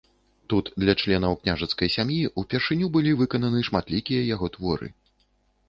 Тут для членаў княжацкай сям'і ўпершыню былі выкананы шматлікія яго творы.